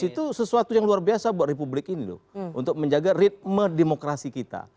itu sesuatu yang luar biasa buat republik ini loh untuk menjaga ritme demokrasi kita